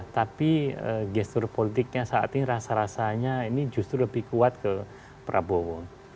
tapi gestur politiknya saat ini rasa rasanya ini justru lebih kuat ke prabowo